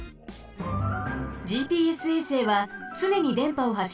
ＧＰＳ衛星はつねにでんぱをはっしています。